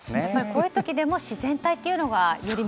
こういう時でも自然体というのがより